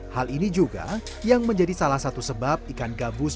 hal ini juga yang menjadi salah satu sebab ikan gabus